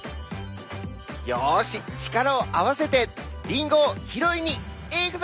よし力を合わせてリンゴを拾いに行くぞ！